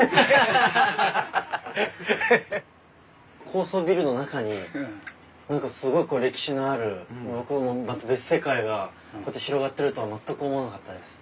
高層ビルの中に何かすごい歴史のあるまた別世界がこうやって広がってるとは全く思わなかったです。